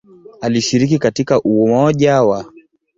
Alishiriki katika umoja wa upinzani kwenye "kambi la machungwa".